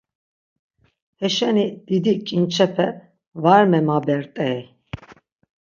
Heşeni didi ǩinçepe var memabert̆ey.